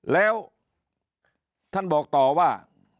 แล้วท่านบอกต่อว่า